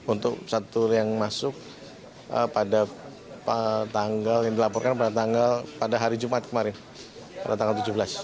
untuk satu yang masuk pada tanggal yang dilaporkan pada tanggal pada hari jumat kemarin pada tanggal tujuh belas